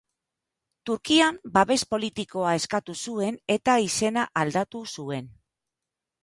Turkian babes politikoa eskatu zuen eta izena aldatu zuen.